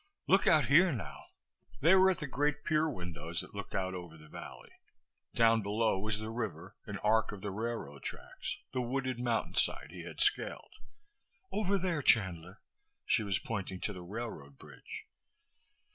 Look out here, now." They were at the great pier windows that looked out over the valley. Down below was the river, an arc of the railroad tracks, the wooded mountainside he had scaled. "Over there, Chandler." She was pointing to the railroad bridge.